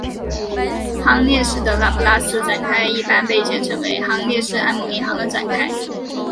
行列式的拉普拉斯展开一般被简称为行列式按某一行的展开。